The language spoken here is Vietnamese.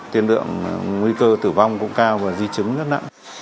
tiên lượng nguy cơ tử vong cũng cao và di chứng rất nặng